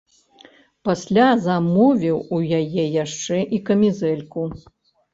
Пасля замовіў у яе яшчэ і камізэльку.